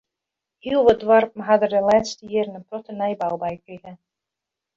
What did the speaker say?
Heel wat doarpen ha der de lêste jierren in protte nijbou by krige.